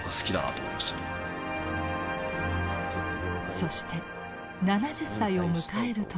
そして７０歳を迎える時。